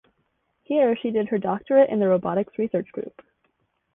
Here she did her doctorate in the Robotics Research Group.